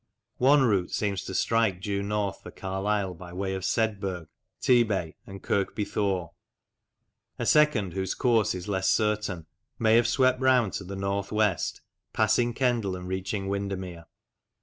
One route seems to strike due north for Carlisle by way of Sedbergh, Tebay, and Kirkby Thore; a second, whose course is less certain, may have swept round to the north west, passing Kendal and reaching Windermere.